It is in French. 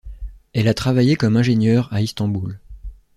Elle a travaillé comme ingénieure à Istanbul.